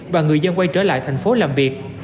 và người dân quay trở lại thành phố làm việc